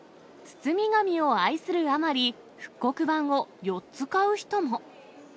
包み紙を愛するあまり、復刻版を４つ買う人も。